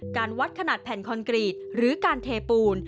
การวัดขนาดแผ่นคอนกรีตหรือการเทปูน